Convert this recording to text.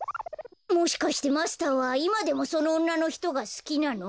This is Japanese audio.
もしかしてマスターはいまでもそのおんなのひとがすきなの？